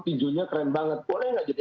pinjunya keren banget boleh gak jadi